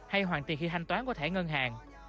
hay hoàn tiền khi thanh toán qua thẻ ngân hàng